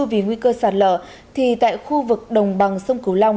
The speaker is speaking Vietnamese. vì nguy cơ sạt lở thì tại khu vực đồng bằng sông cửu long